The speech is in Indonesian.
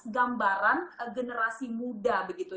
gambaran generasi muda begitu